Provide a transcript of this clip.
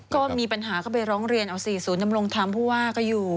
ก็มีปัญหาก็ไปร้องเรียนเอาสิศูนย์นำรงธรรมผู้ว่าก็อยู่